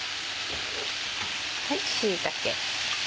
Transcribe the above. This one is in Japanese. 椎茸。